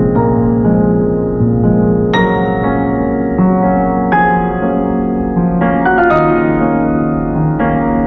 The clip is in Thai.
พ่อครับ